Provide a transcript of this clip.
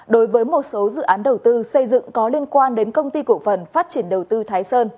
đối với một số dự án đầu tư xây dựng có liên quan đến công ty cổ phần phát triển đầu tư thái sơn